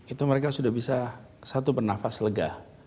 itu mereka sudah bisa satu bernafas lega